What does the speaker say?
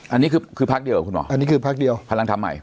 อันนี้คือพักเดียวเหรอคุณหมออันนี้คือพักเดียวพลังธรรมใหม่